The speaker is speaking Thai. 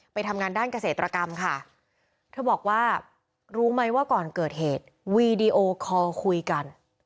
ไปทำงานด้านเกษตรกรรมค่ะเธอบอกว่ารู้ไหมว่าก่อนเกิดเหตุวีดีโอคอลคุยกัน